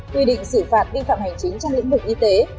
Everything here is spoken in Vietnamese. quy định xử phạt vi phạm hành chính trong lĩnh vực y tế